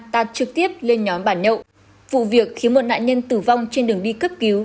tạt trực tiếp lên nhóm bàn nhậu vụ việc khiến một nạn nhân tử vong trên đường đi cấp cứu